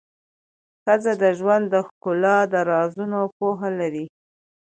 ښځه د ژوند د ښکلا د رازونو پوهه لري.